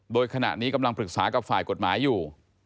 โดยขณะนี้กำลังปรึกษากับฝ่ายกฎหมายอยู่